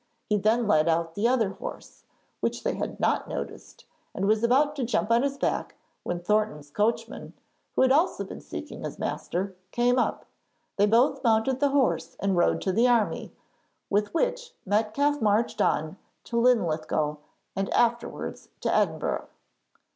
He then led out the other horse, which they had not noticed, and was about to jump on his back when Thornton's coachman, who had also been seeking his master, came up. They both mounted the horse and rode to join the army, with which Metcalfe marched on to Linlithgow and afterwards to Edinburgh.